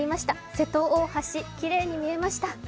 瀬戸大橋、きれいに見えました。